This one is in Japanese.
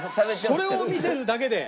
それを見てるだけで。